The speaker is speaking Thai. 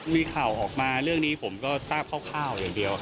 มีข่าวออกมาเรื่องนี้ผมก็ทราบคร่าวอย่างเดียว